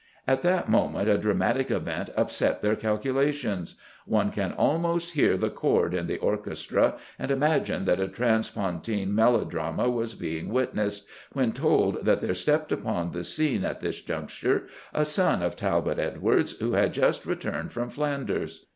At that moment a dramatic event upset their calculations. One can almost hear the chord in the orchestra and imagine that a transpontine melodrama was being witnessed, when told that there stepped upon the scene, at this juncture, a son of Talbot Edwards who had just returned from Flanders.